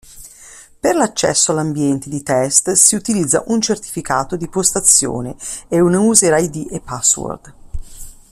Per l'accesso all'ambiente di test si utilizza un certificato di postazione e una user-id e password.